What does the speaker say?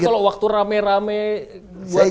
jadi kalau waktu rame rame buat iktp